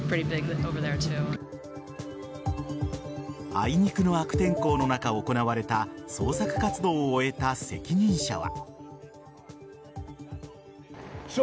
あいにくの悪天候の中行われた捜索活動を終えた責任者は。